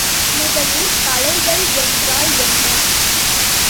முதலில் கலைகள் என்றால் என்ன?